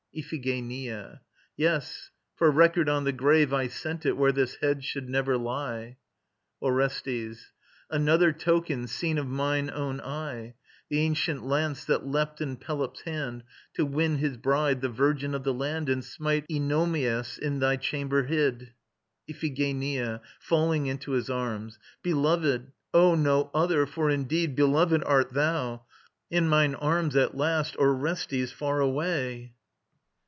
IPHIGENIA. Yes: for record on the grave I sent it, where this head should never lie. ORESTES. Another token, seen of mine own eye. The ancient lance that leapt in Pelops' hand, To win his bride, the virgin of the land, And smite Oenomaus, in thy chamber hid ... IPHIGENIA (falling into his arms). Beloved! Oh, no other, for indeed Beloved art thou! In mine arms at last, Orestes far away.